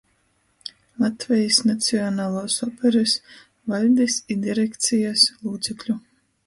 Latvejis Nacionaluos operys vaļdis i direkcijas lūcekļu,